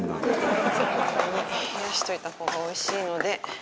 冷やしておいた方がおいしいので。